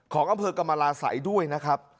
ของอัมเภอกำลาศัยด้วยนะครับ